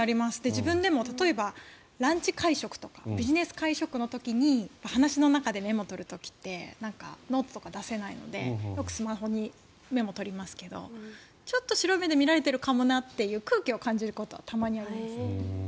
自分でも例えばランチ会食とかビジネス会食の時に話の中でメモを取る時ってノートとか出せないのでよくスマホにメモを取りますけどちょっと白い目で見られてるかもなって空気を感じることはたまにありますね。